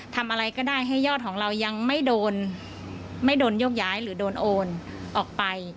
ทำอะไรก็ได้ให้ยอดของเรายังไม่โดนไม่โดนโยกย้ายหรือโดนโอนออกไป